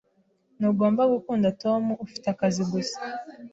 Ntugomba gukunda Tom. Ufite akazi gusa.